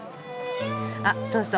あっそうそう